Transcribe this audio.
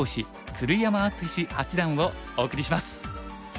鶴山淳志八段」をお送りします。